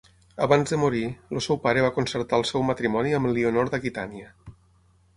Abans de morir, el seu pare va concertar el seu matrimoni amb Elionor d'Aquitània.